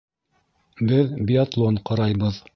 Беҙ биатлон ҡарайбыҙ.